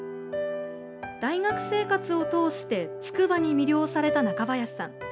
大学生活を通してつくばに魅了された中林さん。